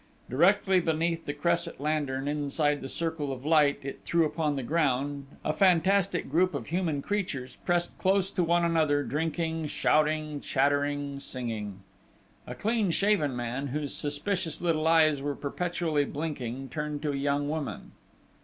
Directly beneath the cresset lantern, inside the circle of light it threw upon the ground, a fantastic group of human creatures pressed close to one another, drinking, shouting, chattering, singing. A clean shaven man, whose suspicious little eyes were perpetually blinking, turned to a young woman.